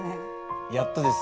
やっとですよ。